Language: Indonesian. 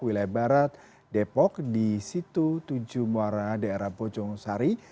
wilayah barat depok di situ tujuh muara daerah bojong sari